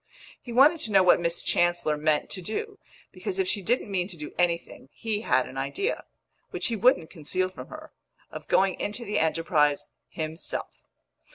He wanted to know what Miss Chancellor meant to do, because if she didn't mean to do anything, he had an idea which he wouldn't conceal from her of going into the enterprise himself.